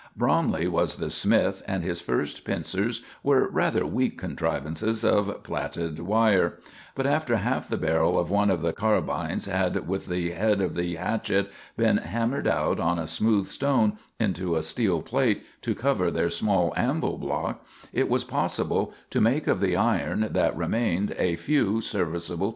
Bromley was the smith, and his first pincers were rather weak contrivances of platted wire; but after half the barrel of one of the carbines had with the head of the hatchet been hammered out on a smooth stone into a steel plate to cover their small anvil block, it was possible to make of the iron that remained a few serviceable tools.